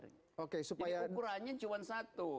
jadi ukurannya cuma satu